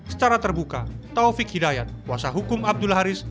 secara terbuka taufik hidayat kuasa hukum abdul haris